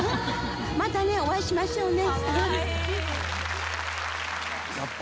またねお会いしましょうね」